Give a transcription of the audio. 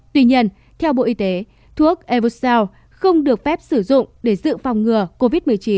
tuy nhiên theo bộ y tế thuốc eversal không được phép sử dụng để dự phòng ngừa covid một mươi chín